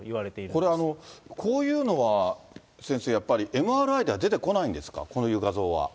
これ、こういうのは先生、やっぱりＭＲＩでは出てこないんですか？